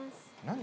何？